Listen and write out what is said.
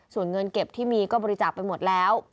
ส่วนเงินเก็บที่มีก็บริจาคไปหมดแล้ว